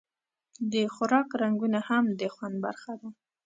د خوراک رنګونه هم د خوند برخه ده.